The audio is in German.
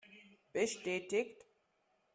Bestätigt!